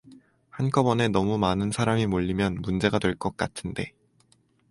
한꺼번에 너무 많은 사람이 몰리면 문제가 될 것 같은데.